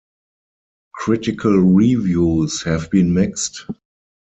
Critical reviews have been mixed.